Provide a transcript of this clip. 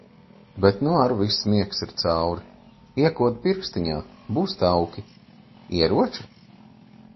Bet nu ar viss miegs ir cauri! Iekod pirkstiņā, būs tauki. Ieroči?